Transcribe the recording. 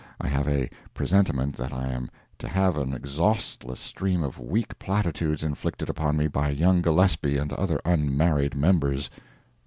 I have a presentiment that I am to have an exhaustless stream of weak platitudes inflicted upon me by Young Gillespie and other unmarried members.